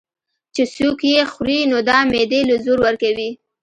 چې څوک ئې خوري نو دا معدې له زور ورکوي